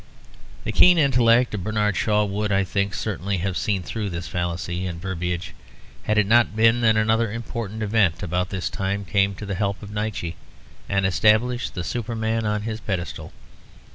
The keen intellect of Bernard Shaw would, I think, certainly have seen through this fallacy and verbiage had it not been that another important event about this time came to the help of Nietzsche and established the Superman on his pedestal.